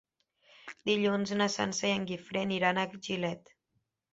Dilluns na Sança i en Guifré aniran a Gilet.